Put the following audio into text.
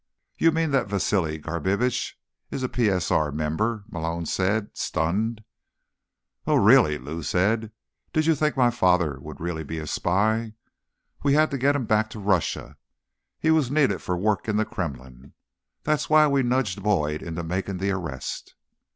"You mean that Vasili Garbitsch is a PSR member?" Malone said, stunned. "Well, really," Lou said. "Did you think my father would really be a spy? We had to get him back to Russia; he was needed for work in the Kremlin. That's why we nudged Boyd into making the arrest."